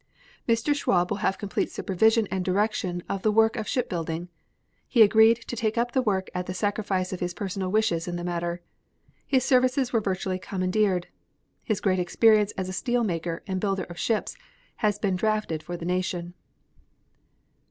Mr. Schwab will have complete supervision and direction of the work of ship building. He agreed to take up the work at the sacrifice of his personal wishes in the matter. His services were virtually commandeered. His great experience as a steel maker and builder of ships has been drafted for the nation.